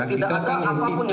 tidak ada apapun yang ada di sini